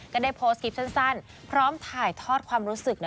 ก็ได้โพสต์คลิปสั้นพร้อมถ่ายทอดความรู้สึก